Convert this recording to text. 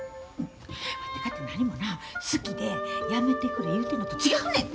わてかてなにもな好きでやめてくれ言うてんのと違うねんで。